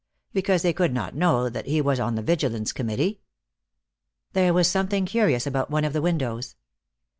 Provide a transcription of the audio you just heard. Because they could not know that he was on the Vigilance Committee. There was something curious about one of the windows.